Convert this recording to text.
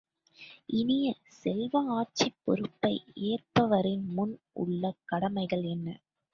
இனிய செல்வ, ஆட்சிப் பொறுப்பை ஏற்பவரின் முன் உள்ள கடமைகள் என்ன?